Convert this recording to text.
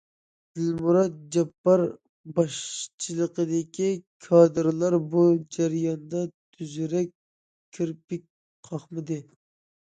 دىلمۇرات جاپپار باشچىلىقىدىكى كادىرلار بۇ جەرياندا تۈزۈكرەك كىرپىك قاقمىدى.